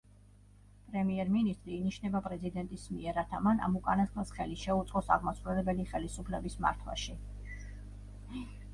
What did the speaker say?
პრემიერ-მინისტრი ინიშნება პრეზიდენტის მიერ, რათა მან ამ უკანასკნელს ხელი შეუწყოს აღმასრულებელი ხელისუფლების მართვაში.